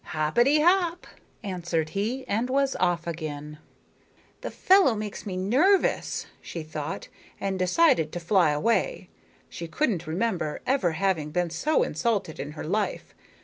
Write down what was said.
"Hoppety hop," answered he, and was off again. "The fellow makes me nervous," she thought, and decided to fly away. She couldn't remember ever having been so insulted in her life.